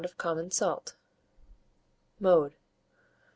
of common salt. Mode.